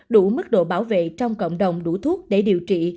đủ mức độ bảo vệ trong cộng đồng đủ thuốc để điều trị